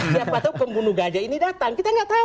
siapa tahu pembunuh gajah ini datang kita nggak tahu